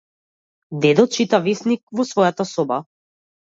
Дедо чита весник во својата соба.